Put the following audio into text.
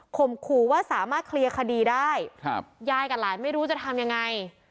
ขู่ว่าสามารถเคลียร์คดีได้ยายกับหลานไม่รู้จะทำยังไง